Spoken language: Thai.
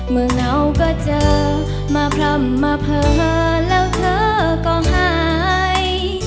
เหงาก็เจอมาพร่ำมาเผลอแล้วเธอก็หาย